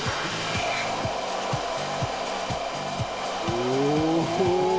お！